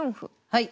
はい。